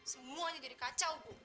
semuanya jadi kacau bu